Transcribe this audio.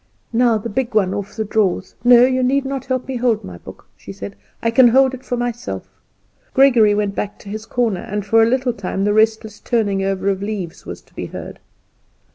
"Now the big one off the drawers. No, you need not help me to hold my book," she said; "I can hold it for myself." Gregory went back to his corner, and for a little time the restless turning over of leaves was to be heard.